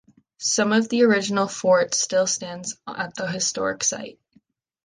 Some of the original fort still stands at the historic site.